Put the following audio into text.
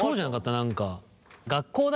何か。